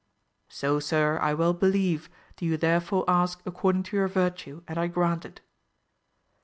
— So sir I well believe, do you therefore ask according to your virtue, and I grant it.